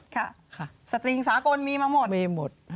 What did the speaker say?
ค่ะสตริงสากลมีมาหมด